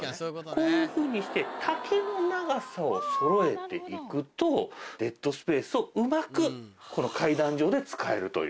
こういうふうにして丈の長さをそろえて行くとデッドスペースをうまく階段状で使えるという。